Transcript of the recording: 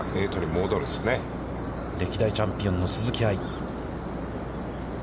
歴代チャンピオンの鈴木愛。